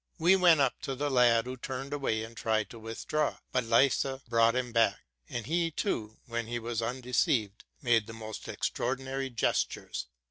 We went up to the lad, who turned away and tried to withdraw: but Liese brought him back ; and he, too, when he was undeceived, made the most extraordinary gestures.